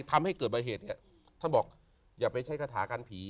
ทำให้เกิดบ้ายเหตุท่านบอกอย่าไปใช้กะถากันผี